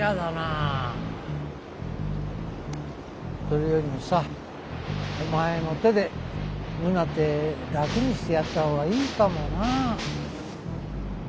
それよりもさお前の手でムナテ楽にしてやった方がいいかもな。